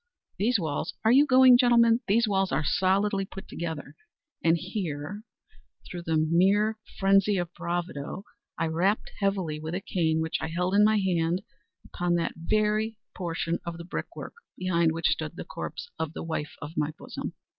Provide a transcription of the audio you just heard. These walls—are you going, gentlemen?—these walls are solidly put together;" and here, through the mere phrenzy of bravado, I rapped heavily, with a cane which I held in my hand, upon that very portion of the brick work behind which stood the corpse of the wife of my bosom.